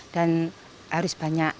dan harus banyak